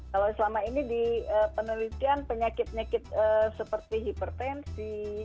kalau selama ini di penelitian penyakit penyakit seperti hipertensi